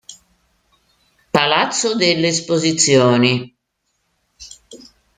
Palazzo delle Esposizioni.